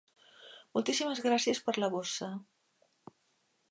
Moltíssimes gràcies per la bossa.